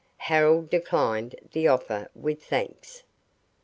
Harold declined the offer with thanks.